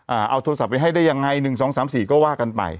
เอาโทรศัพท์ไปให้ได้ยังไงหนึ่งสองสามสี่ก็ว่ากันไป